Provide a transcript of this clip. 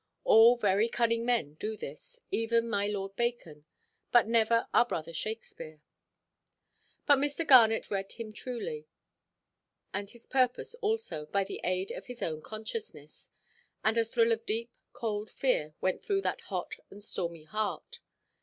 All very cunning men do this; even my Lord Bacon, but never our brother Shakespeare. But Mr. Garnet read him truly, and his purpose also, by the aid of his own consciousness; and a thrill of deep, cold fear went through that hot and stormy heart.